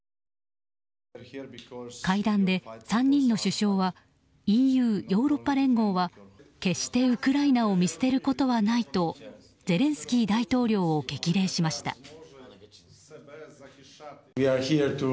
会談で３人の首相はＥＵ・ヨーロッパ連合は決してウクライナを見捨てることはないとゼレンスキー大統領を激励しました。